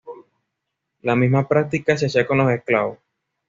La misma práctica se hacía con los esclavos.